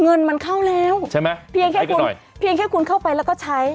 เงินมันเข้าแล้วเพียงแค่คุณเข้าไปแล้วก็ใช้